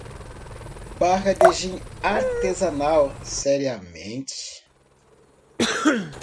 Barra de gin artesanal? seriamente?!